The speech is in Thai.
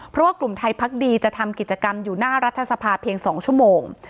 เพราะว่ากลุ่มไทยพักดีจะทำกิจกรรมอยู่หน้ารัฐสภาเพียง๒ชั่วโมง